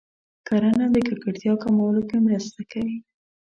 کرنه د ککړتیا کمولو کې مرسته کوي.